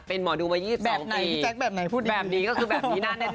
เป็นหมอดูมา๒๒ปี